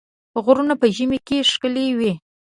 غرونه په ژمي کې ښکلي وي.